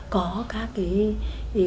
có các cái